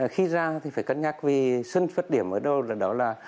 khi ra thì phải cân nhắc vì xuất điểm ở đâu đó là